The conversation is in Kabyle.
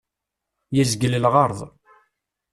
Yezgel lɣerḍ.